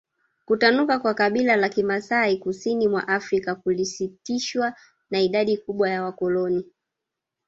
Kutanuka kwa kabila la Kimasai kusini mwa Afrika kulisitishwa na idadi kubwa ya wakoloni